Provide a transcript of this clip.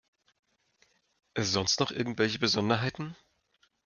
Sonst noch irgendwelche Besonderheiten?